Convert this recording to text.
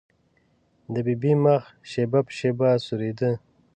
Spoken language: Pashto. د ببۍ مخ شېبه په شېبه سورېده.